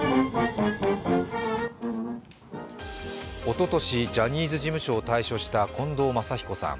おととしジャニーズ事務所を退所した近藤真彦さん。